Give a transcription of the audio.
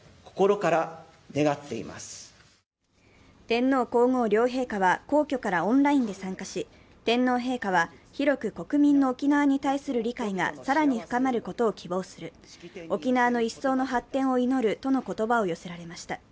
天皇・皇后両陛下は皇居からオンラインで参加し、天皇陛下は広く国民の沖縄に対する理解が更に深まることを希望する、沖縄の一層の発展を祈るとのことばを寄せられました。